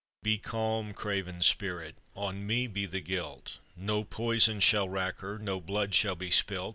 U'L ANS. 421 " Be calm, craven spirit! On me be the guilt. No poison shall rack her, no blood shall be spilt.